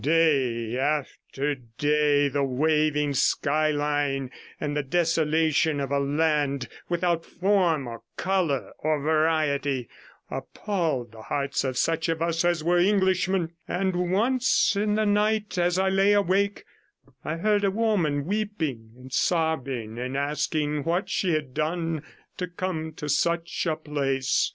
Day after day the waving skyline, and the desolation of a land without form or colour or variety, appalled the hearts of such of us as were Englishmen, and once in the night as I lay awake I heard a woman, weeping and sobbing and asking what she had done to come to such a place.